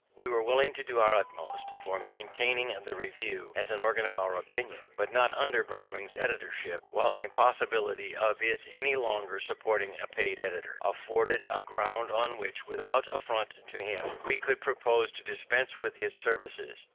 We were willing to do our utmost for maintaining the Review as an organ of our opinions, but not under Bowring's editorship: while the impossibility of its any longer supporting a paid editor, afforded a ground on which, without affront to him, we could propose to dispense with his services.